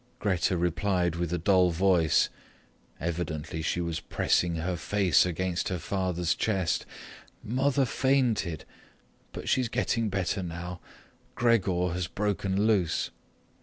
Grete replied with a dull voice; evidently she was pressing her face into her father's chest: "Mother fainted, but she's getting better now. Gregor has broken loose."